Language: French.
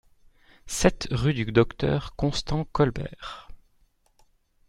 sept rue du Docteur Constant Colbert